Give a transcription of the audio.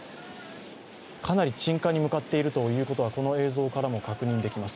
かなり鎮火に向かっていることがこの映像からも確認できます。